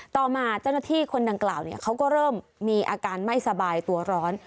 ต่อมาเจ้าหน้าที่คนดังกล่าวเขาก็เริ่มมีอาการไม่สบายตัวร้อน